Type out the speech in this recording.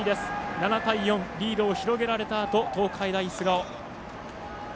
７対４、リードを広げられたあと東海大菅生。